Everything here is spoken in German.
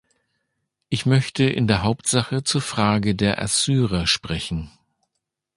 Ich möchte in der Hauptsache zur Frage der Assyrer sprechen.